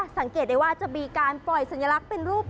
สังเกตได้ว่าจะมีการปล่อยสัญลักษณ์เป็นรูป